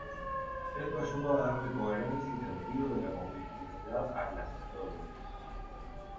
Esto ayuda a darle coherencia y sentido de la continuidad a las historias.